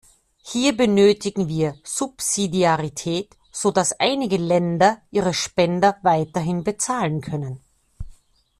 Hier benötigen wir Subsidiarität, so dass einige Länder ihre Spender weiterhin bezahlen können.